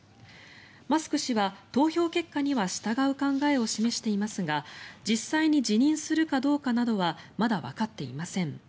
マスク氏は、投票結果には従う考えを示していますが実際に辞任するかどうかなどはまだわかっていません。